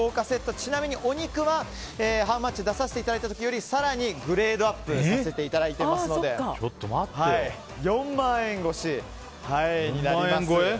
ちなみにお肉はハウマッチで出させていただいた時より更にグレードアップさせていただいていますので４万円超えになります。